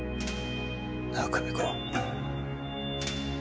なあ久美子。